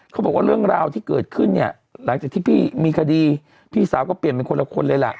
เขาบอกว่าเรื่องราวที่เกิดขึ้นเนี่ยหลังจากที่พี่มีคดีพี่สาวก็เปลี่ยนเป็นคนละคนเลยล่ะ